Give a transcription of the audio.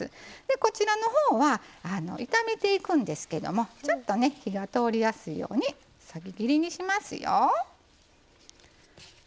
こちらのほうは炒めていくんですけどもちょっとね火が通りやすいようにそぎ切りにしますよ。